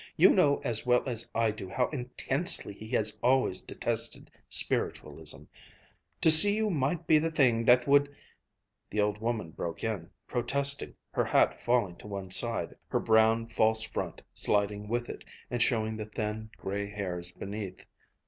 You know as well as I do how intensely he has always detested spiritualism. To see you might be the thing that would " The old woman broke in, protesting, her hat falling to one side, her brown false front sliding with it and showing the thin, gray hairs beneath.